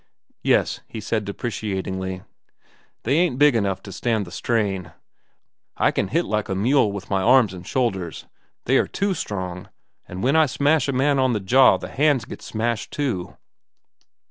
"Yes," he said depreciatingly. "They ain't big enough to stand the strain. I can hit like a mule with my arms and shoulders. They are too strong, an' when I smash a man on the jaw the hands get smashed, too."